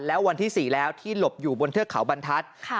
แล้ววันที่๔แล้วที่หลบอยู่บนเทือกเขาบรรทัศน์